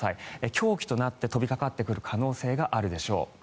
凶器となって飛びかかってくる可能性があるでしょう。